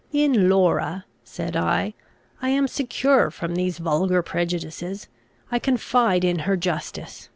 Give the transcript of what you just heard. "In Laura," said I, "I am secure from these vulgar prejudices. I confide in her justice.